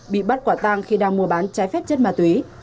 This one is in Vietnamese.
bị bắt quả tang khi đang mua bán trái phép chất ma túy